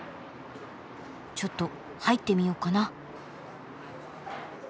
ちょっと入ってみよっかな。